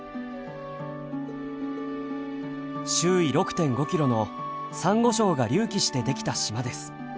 周囲６．５キロのさんご礁が隆起してできた島です。